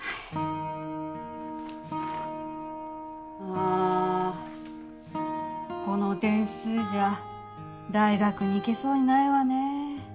あこの点数じゃ大学に行けそうにないわね。